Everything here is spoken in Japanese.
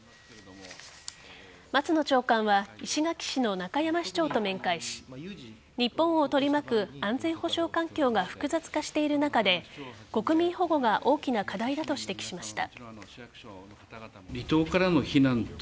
松野長官は石垣市の中山市長と面会し日本を取り巻く安全保障環境が複雑化している中で国民保護が大きな課題だと指摘しました。